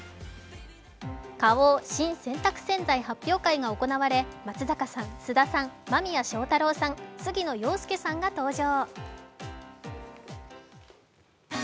花王新・洗たく洗剤発表会が行われ松坂さん、菅田さん、間宮祥太朗さん杉野遥亮さんが登場。